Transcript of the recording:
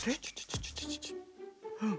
うん。